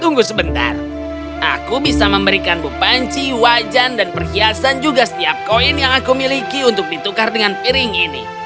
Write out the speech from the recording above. tunggu sebentar aku bisa memberikan bu panci wajan dan perhiasan juga setiap koin yang aku miliki untuk ditukar dengan piring ini